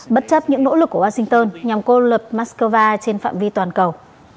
bất chấp những nỗ lực của washington nhằm cô lập moscow trên phạm vi toàn cầu